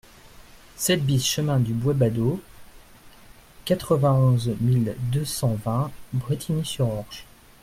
sept BIS chemin du Bois Badeau, quatre-vingt-onze mille deux cent vingt Brétigny-sur-Orge